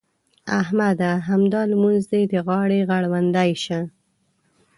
احمده! همدا لمونځ دې د غاړې غړوندی شه.